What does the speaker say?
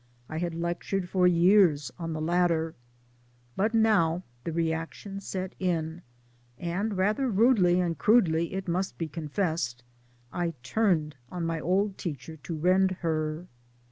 I had lectured for years on the latter. But now the reaction set in ; and rather rudely and crudely it must be confessed I turned on my old teacher to rend her